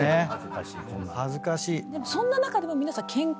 でもそんな中でも皆さん。